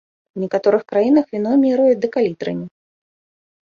У некаторых краінах віно мераюць дэкалітрамі.